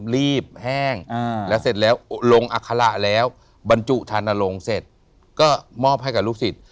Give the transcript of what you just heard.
รีบแห้งแล้วเสร็จแล้วลงอัคระแล้วบรรจุธานลงเสร็จก็มอบให้กับลูกศิษย์